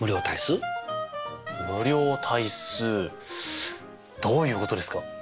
無量大数どういうことですか？